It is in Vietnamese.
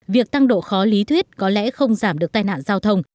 việc tăng độ khó lý thuyết có lẽ không giảm được tai nạn giao thông